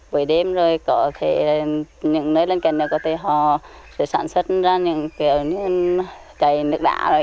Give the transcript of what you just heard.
bếp đêm rồi có thể những nơi lên kênh này có thể họ sản xuất ra những cái nước đá vậy đó